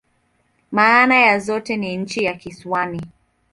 Maana ya zote ni "nchi ya kisiwani.